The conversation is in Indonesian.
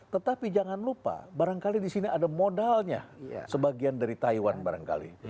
tetapi jangan lupa barangkali di sini ada modalnya sebagian dari taiwan barangkali